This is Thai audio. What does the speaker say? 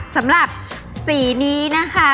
สำหรับสีนี้นะคะ